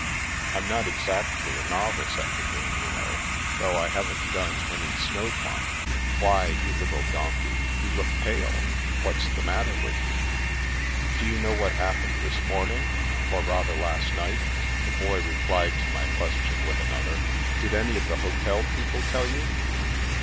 I'm not exactly a novice at the game, you know, though I haven't done any snow climbing. Why, you little donkey, you look pale. What's the matter with you ?"" Do you know what happened this morning— or rather last night ?" the Boy replied to my question with another. "Did any of the hotel people tell you?"